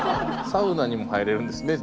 サウナにも入れるんですねＤＴＭ。